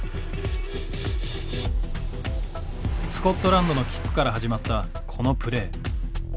スコットランドのキックから始まったこのプレー。